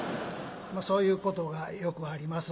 そういうことがよくあります。